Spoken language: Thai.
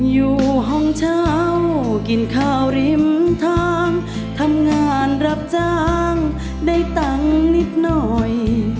อยู่ห้องเช่ากินข้าวริมทางทำงานรับจ้างได้ตังค์นิดหน่อย